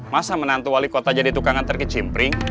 masa menantu wali kota jadi tukangan terkecimpring